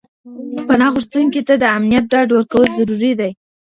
پناه غوښتونکي ته د امنيت ډاډ ورکول ضروري دي.